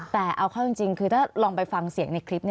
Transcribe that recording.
แต่เอาเข้าจริงคือถ้าลองไปฟังเสียงในคลิป